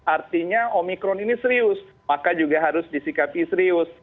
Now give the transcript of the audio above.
artinya omikron ini serius maka juga harus disikapi serius